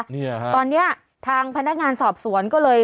เนี่ยฮะตอนเนี้ยทางพนักงานสอบสวนก็เลย